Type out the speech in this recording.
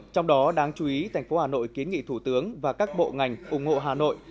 trong đó đáng chú ý thành phố hà nội kiến nghị thủ tướng và các bộ ngành ủng hộ hà nội